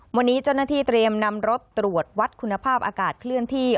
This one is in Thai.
วันนี้เจ้าหน้าที่เตรียมนำรถตรวจวัดคุณภาพอากาศเคลื่อนที่